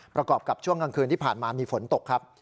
ประกอบกับช่วงกลางคืนที่ผ่านมามีฝนตกครับ